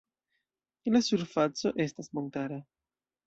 La surfaco estas montara.